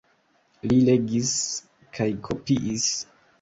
Li legis kaj kopiis.